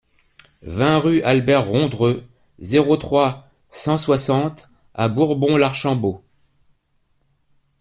vingt rue Albert Rondreux, zéro trois, cent soixante à Bourbon-l'Archambault